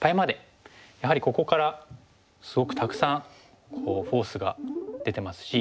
やはりここからすごくたくさんこうフォースが出てますし。